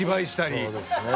そうですね。